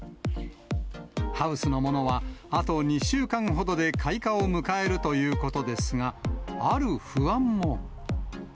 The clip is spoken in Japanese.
ハウスのものは、あと２週間ほどで開花を迎えるということですが、ある不安も。